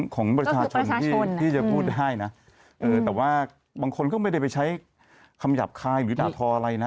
ของประชาชนที่จะพูดให้นะแต่ว่าบางคนก็ไม่ได้ไปใช้คำหยาบคายหรือด่าทออะไรนะ